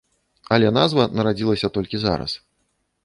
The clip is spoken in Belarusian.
Але назва нарадзілася толькі зараз.